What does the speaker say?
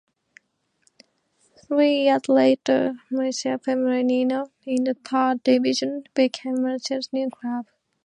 Three years later, Murcia Femenino in the third division became Murcia's new club.